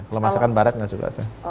kalau masakan barat nggak suka